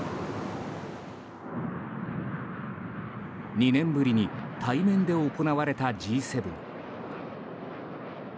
２年ぶりに対面で行われたＧ７。